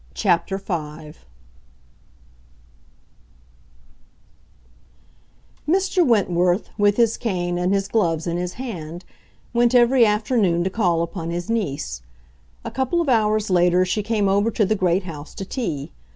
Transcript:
CHAPTER V Mr. Wentworth, with his cane and his gloves in his hand, went every afternoon to call upon his niece. A couple of hours later she came over to the great house to tea.